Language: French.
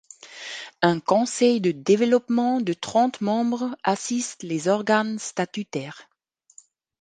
Un conseil de développement de trente membres assiste les organes statutaires.